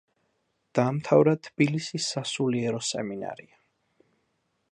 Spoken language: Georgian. დაამთავრა თბილისის სასულიერო სემინარია.